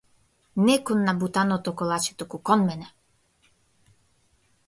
Не кон набутаното колаче туку кон мене.